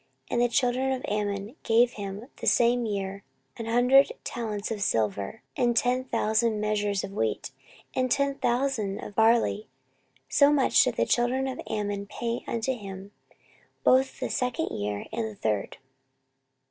And the children of Ammon gave him the same year an hundred talents of silver, and ten thousand measures of wheat, and ten thousand of barley. So much did the children of Ammon pay unto him, both the second year, and the third.